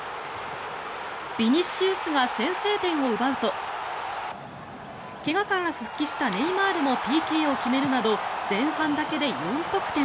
ビニシウスが先制点を奪うと怪我から復帰したネイマールもＰＫを決めるなど前半だけで４得点。